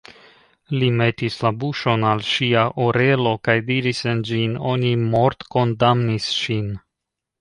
Li metis la buŝon al ŝia orelo kaj diris en ĝin: "Oni mortkondamnis ŝin."